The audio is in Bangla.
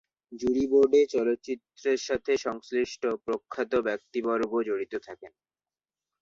জুরি বোর্ডে চলচ্চিত্রের সাথে সংশ্লিষ্ট প্রখ্যাত ব্যক্তিবর্গ জড়িত থাকেন।